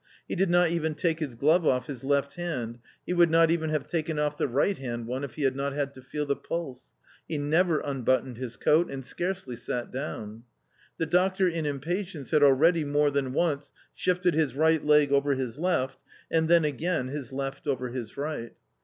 He did not even take his glove off his left hand, he would not even have taken off the right hand one if he had not had to feel the pulse ; he never unbuttoned his coat and scarcely sat down. The doctor in impatience had already more than once shifted his right leg over his left, and then again his left over his right.